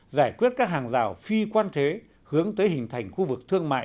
giải quyết các hàng rào phi quan thế hướng tới hình thành khu vực thương mại